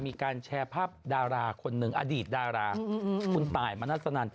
มีการแชร์ภาพดาราคนหนึ่งอดีตดาราคุณตายมณัสนัน